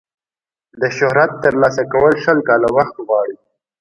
د شهرت ترلاسه کول شل کاله وخت غواړي.